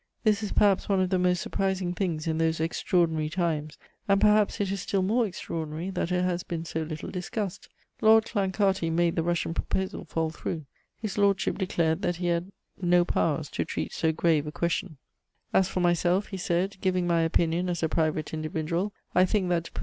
This is perhaps one of the most surprising things in those extraordinary times, and perhaps it is still more extraordinary that it has been so little discussed. Lord Clancarty made the Russian proposal fall through; His Lordship declared that he had no powers to treat so grave a question: "As for myself," he said, "giving my opinion as a private individual, I think that to put M.